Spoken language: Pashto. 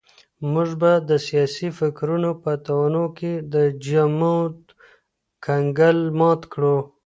موږ به د سياسي فکرونو په تنوع کي د جمود کنګل مات کړو.